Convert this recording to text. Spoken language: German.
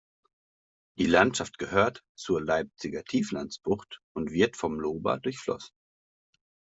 Die Landschaft gehört zur Leipziger Tieflandsbucht und wird vom Lober durchflossen.